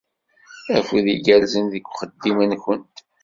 Afud igerrzen deg uxeddim-nkent!